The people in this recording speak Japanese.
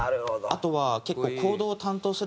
あとは結構。